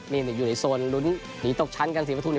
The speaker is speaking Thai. นี่อยู่ในโซนลุ้นหนีตกชั้นกันศรีประทุม